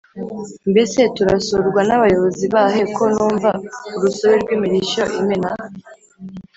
mbese turasurwa n’abayozi bahe ko numva urusobe rw’imirishyo imena